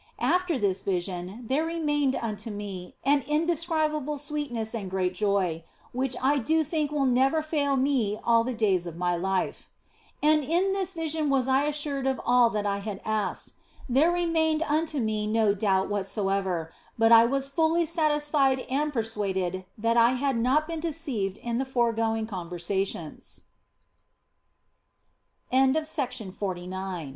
After this vision there 196 THE BLESSED ANGELA remained unto me an indescribable sweetness and great joy, which I do think will never fail me all the days of my life. And in this vision was I assured of all that I had asked ; there remained unto me no doubt whatsoever^ but I was fully satisfied and persuaded that I had not been deceived in the f